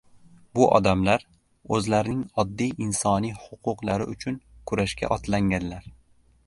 Bu odamlar o‘zlarining oddiy insoniy huquqlari uchun kurashga otlanganlar.